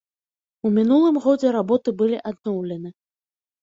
У мінулым годзе работы былі адноўлены.